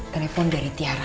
telepon dari tiara